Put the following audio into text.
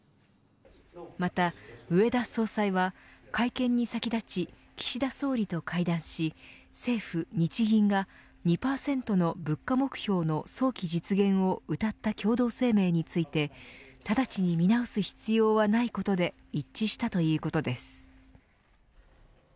また、植田総裁は会見に先立ち、岸田総理と会談し政府、日銀が２％の物価目標の早期実現をうたった共同声明について直ちに見直す必要はないことで一致したということです。